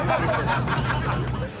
ハハハハ！